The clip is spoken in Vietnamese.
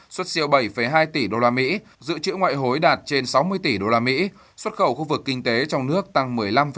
xuất siêu bảy hai tỷ usd dự trữ ngoại hối đạt trên sáu mươi tỷ usd xuất khẩu khu vực kinh tế trong nước tăng một mươi năm